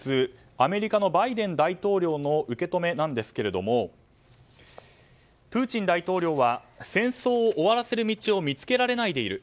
アメリカのバイデン大統領の受け止めなんですけれどもプーチン大統領は戦争を終わらせる道を見つけられないでいる。